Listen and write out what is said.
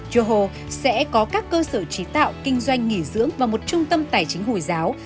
joho sẽ có các cơ sở chế tạo kinh doanh nghỉ dưỡng và một trung tâm tài chính hồi giáo